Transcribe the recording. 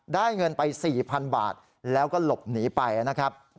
ได้เงินไป๔๐๐๐บาทแล้วก็หลบหนีไปนะครับ